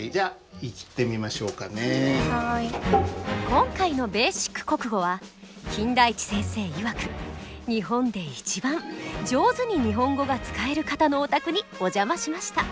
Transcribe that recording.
今回の「ベーシック国語」は金田一先生いわく日本で一番上手に日本語が使える方のお宅にお邪魔しました。